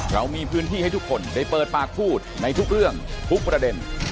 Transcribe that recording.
เรามีพื้นที่ให้ทุกคนได้เปิดปากพูด